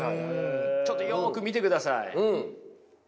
ちょっとよく見てください。